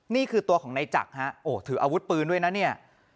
นี่คือตัวของนายจักรฮะโอ้ถืออาวุธปืนด้วยนะเนี่ย